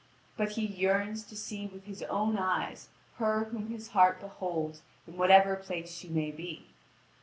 But he yearns to see with his own eyes her whom his heart beholds in whatever place she may be.